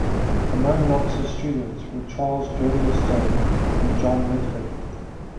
Among Knox's students were Charles Girdlestone and John Mitford.